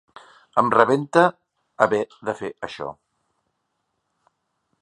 Em rebenta haver de fer això.